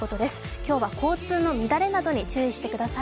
今日は交通の乱れなどに注意してください。